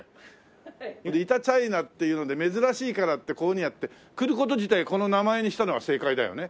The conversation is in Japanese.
イタチャイナっていうので珍しいからってこういうふうにやって来る事自体この名前にしたのは正解だよね。